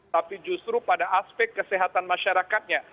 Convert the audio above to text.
tapi justru pada aspek kesehatan masyarakatnya